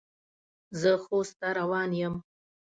زه خوست ته روان یم.